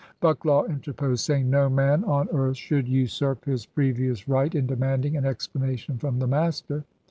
... Bucklaw interposed, saying, ' No man on earth should usurp his previous right in demanding an explsmation from the Master.'